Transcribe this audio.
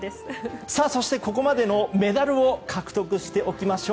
そして、ここまでのメダルを確認しておきましょう。